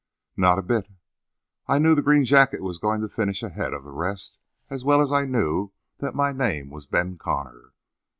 "Not a bit. I knew the green jacket was going to finish ahead of the rest as well as I knew that my name was Ben Connor.